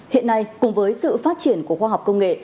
hiện nay cùng với sự phát triển của khoa học công nghệ